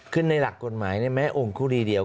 ขึ้นในหลักกฎหมายเนี่ยแม้โอ่งคู่ดีเดียว